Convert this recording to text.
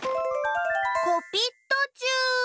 コピットチュー！